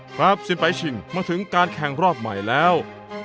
ครับสินไปชิงมาถึงการแข่งรอบใหม่แล้ว